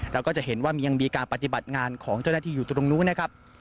เราก็จะเห็นว่ายังมีการปฏิบัติงานของเจ้าหน้าที่อยู่ตรงนู้นนะครับ